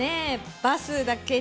バスだけに。